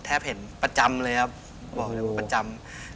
แทบเห็นประจำเลยครับ